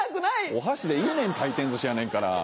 お箸でいいねん回転寿司やねんから。